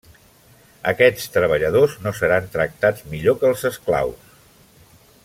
Aquests treballadors no seran tractats millor que els esclaus.